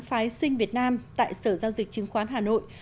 phái sinh việt nam tại sở giao dịch chứng khoán hà nội